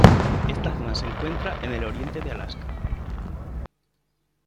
Esta zona se encuentra en el oriente de Alaska.